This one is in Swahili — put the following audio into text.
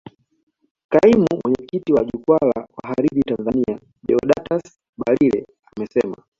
Kaimu mwenyekiti wa jukwaa la wahariri Tanzania Deodatus Balile amesema